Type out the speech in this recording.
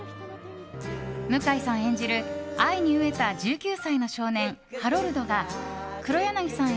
向井さん演じる、愛に飢えた１９歳の少年ハロルドが黒柳さん